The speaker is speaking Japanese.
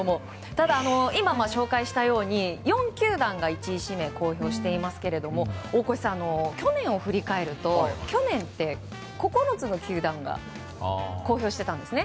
ただ、今も紹介したように４球団が１位指名を公表していますけど大越さん、去年を振り返ると去年って９つの球団が公表していたんですね。